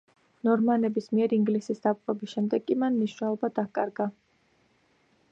ნორმანების მიერ ინგლისის დაპყრობის შემდეგ კი მან მნიშვნელობა დაჰკარგა.